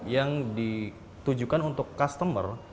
yang ditujukan untuk customer